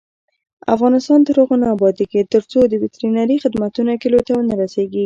افغانستان تر هغو نه ابادیږي، ترڅو د وترنري خدمتونه کلیو ته ونه رسیږي.